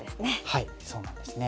はいそうなんですね。